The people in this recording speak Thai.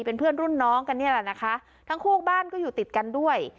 เป็นเพื่อนรุ่นน้องกันนี่แหละนะคะทั้งคู่บ้านก็อยู่ติดกันด้วย